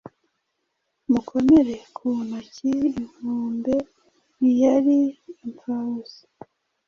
Mukomere ku ntoki Inkombe ntiyari impfabusa